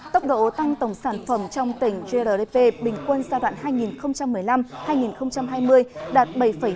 tốc độ tăng tổng sản phẩm trong tỉnh grdp bình quân giai đoạn hai nghìn một mươi năm hai nghìn hai mươi đạt bảy hai mươi